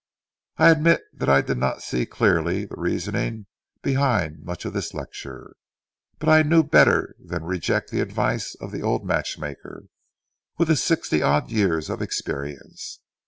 I admit that I did not see clearly the reasoning behind much of this lecture, but I knew better than reject the advice of the old matchmaker with his sixty odd years of experience.